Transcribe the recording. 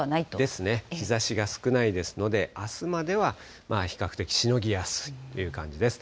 ですね、日ざしが少ないですので、あすまでは比較的しのぎやすいという感じです。